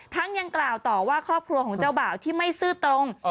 ยังกล่าวต่อว่าครอบครัวของเจ้าบ่าวที่ไม่ซื่อตรง